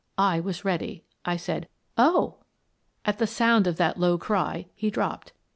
I was ready. I said: "Oh!" At the sound of that low cry, he dropped.